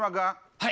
はい。